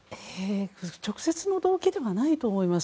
直接の動機ではないと思います。